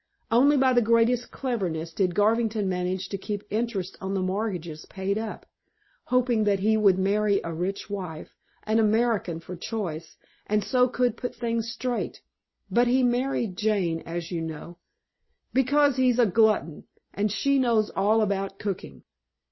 Only by the greatest cleverness did Garvington manage to keep interest on the mortgages paid up, hoping that he would marry a rich wife an American for choice and so could put things straight. But he married Jane, as you know " "Because he is a glutton, and she knows all about cooking."